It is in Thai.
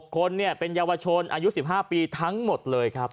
คนเป็นเยาวชนอายุ๑๕ปีทั้งหมดเลยครับ